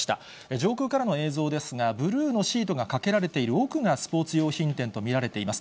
上空からの映像ですが、ブルーのシートがかけられている奥がスポーツ用品店と見られています。